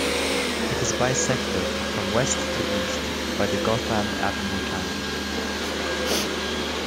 It is bisected, from west to east, by the Gotham Avenue Canal.